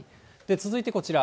続いてこちら。